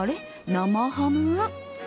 生ハム？